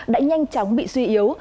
đã nhanh chóng bị suy yếu